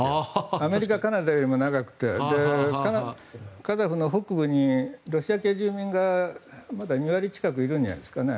アメリカ、カナダよりも長くてカザフの北部にロシア系住民がまだ２割近くいるんじゃないですかね。